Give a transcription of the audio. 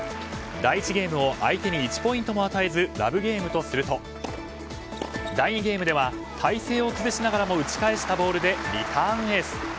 第１ゲームを相手に１ポイントも与えずラブゲームとすると第２ゲームでは体勢を崩しながらも打ち返したボールでリターンエース。